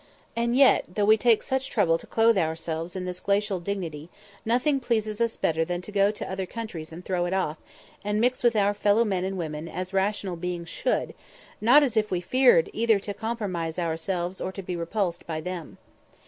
And yet, though we take such trouble to clothe ourselves in this glacial dignity, nothing pleases us better than to go to other countries and throw it off, and mix with our fellow men and women as rational beings should, not as if we feared either to compromise ourselves or to be repulsed by them.